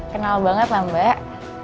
kenal banget lah mbak